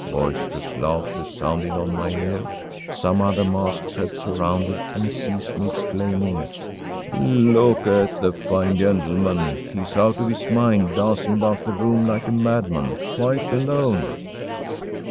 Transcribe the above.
Boisterous laughter sounded on my ear; some other masks had surrounded and seized me, exclaiming: “Look at the fine gentleman! He is out of his mind, dancing about the room like a madman, quite alone!